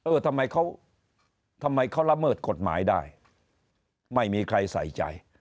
ทำไมเขาทำไมเขาละเมิดกฎหมายได้ไม่มีใครใส่ใจ